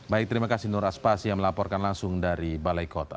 baik terima kasih nur aspasya melaporkan langsung dari balai kota